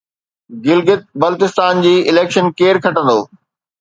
گلگت بلتستان جي اليڪشن ڪير کٽندو؟